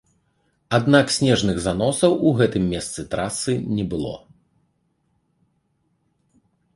Аднак снежных заносаў у гэтым месцы трасы не было.